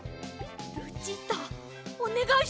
ルチータおねがいします！